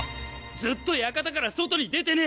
ずっと館から外に出てねえ